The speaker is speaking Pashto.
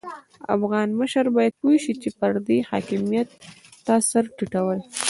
افغان مشر بايد پوه شي چې پردي حاکميت ته سر ټيټول.